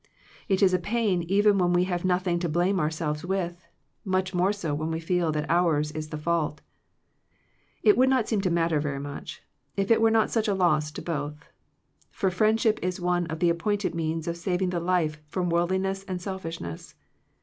It is a pain even when we have nothing to blame ourselves with, much more so when we feel that ours is the fault. It would not seem to matter very much, if it were not such a loss to both; for friendship is one of the appointed means of saving the life from world liness and selfishness.